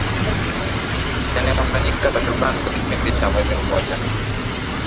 yanaofanyika takriban kwa kipindi cha mwezi mmoja